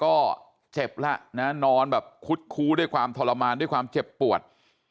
ก็เจ็บแล้วนะนอนแบบคุดคู้ด้วยความทรมานด้วยความเจ็บปวด